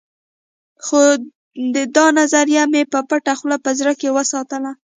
خو دا نظريه مې په پټه خوله په زړه کې وساتله.